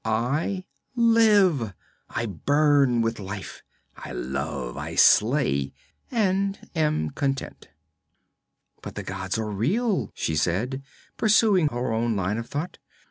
I live, I burn with life, I love, I slay, and am content.' 'But the gods are real,' she said, pursuing her own line of thought.